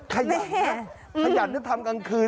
ขยันฮะทำกลางคืน